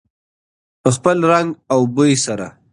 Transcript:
په خپل رنګ او بوی سره.